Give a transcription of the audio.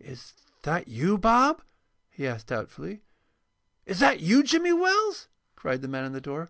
"Is that you, Bob?" he asked, doubtfully. "Is that you, Jimmy Wells?" cried the man in the door.